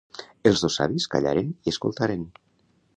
Els dos savis callaren i escoltaren.